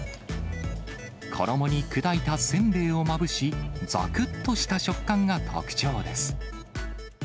衣に砕いたせんべいをまぶし、ざくっとした食感が特徴です。